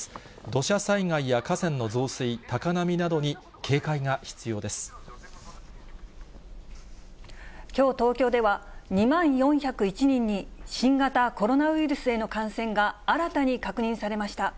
土砂災害や河川の増水、きょう、東京では２万４０１人に、新型コロナウイルスへの感染が新たに確認されました。